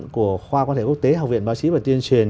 của khoa quan hệ quốc tế học viện báo chí và tuyên truyền